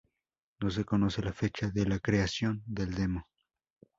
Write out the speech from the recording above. No se conoce la fecha de la creación del demo.